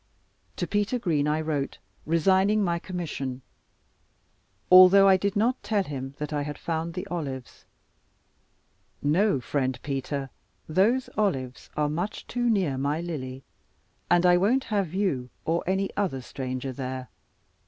To Peter Green I wrote, resigning my commission, although I did not tell him that I had found the olives. No, friend Peter, those olives are much too near my Lily; and I won't have you or any other stranger there.